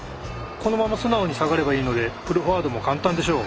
このまま素直に下がればいいのでプルフォワードも簡単でしょう。